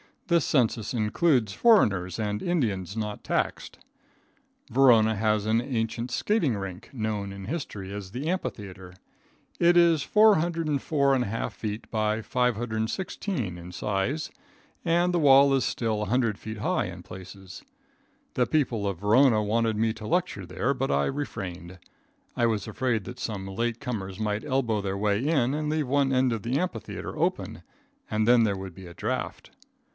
This census includes foreigners and Indians not taxed. Verona has an ancient skating rink, known in history as the amphitheatre, It is 404 1/2 feet by 516 in size, and the wall is still 100 feet high in places. The people of Verona wanted me to lecture there, but I refrained. I was afraid that some late comers might elbow their way in and leave one end of the amphitheatre open and then there would be a draft.